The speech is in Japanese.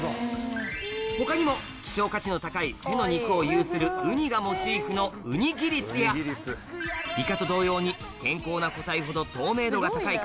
他にも「希少価値の高い背の肉」を有するウニがモチーフのイカと同様に「健康な個体ほど透明度が高い」